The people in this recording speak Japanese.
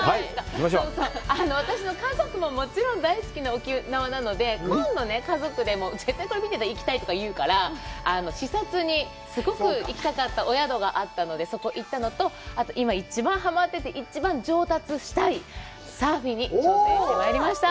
私の家族ももちろん大好きな沖縄なので、今度ね、家族でも、全然これ見てたら行きたいとか言うから視察にすごく行きたかったお宿があったので、そこ行ったのと、あと今一番ハマってて、一番上達したいサーフィンに挑戦してまいりました。